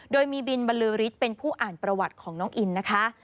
โดยมีบินบรรลือฤทธิ์เป็นผู้อ่านประวัติของน้องอินนะคะ